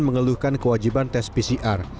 mengeluhkan kewajiban tes pcr